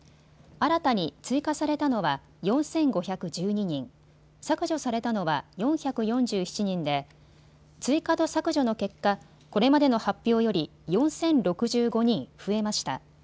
新たに追加されたのは４５１２人、削除されたのは４４７人で追加と削除の結果、これまでの発表より４０６５人増えました。